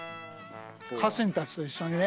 家臣たちと一緒にね。